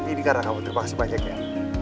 ini karena kamu terima kasih banyaknya